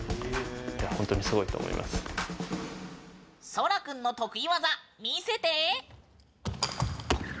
そらくんの得意技見せてー！